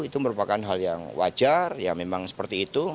itu merupakan hal yang wajar ya memang seperti itu